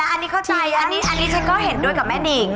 อันนี้เข้าใจอันนี้ฉันก็เห็นด้วยกับแม่นิง